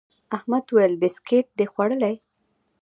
احمد وويل: بيسکیټ دي خوړلي؟